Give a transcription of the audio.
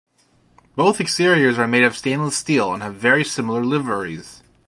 Both exteriors are made of stainless steel and have very similar liveries.